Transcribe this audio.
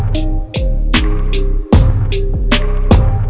tempat sepi bos